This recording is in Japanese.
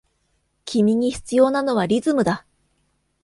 君に必要なのはリズムだ！